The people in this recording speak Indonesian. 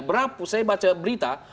saya baca berita